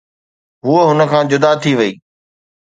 هوءَ هن کان جدا ٿي وئي.